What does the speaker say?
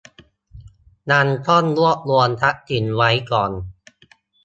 ยังต้องรวบรวมทรัพย์สินไว้ก่อน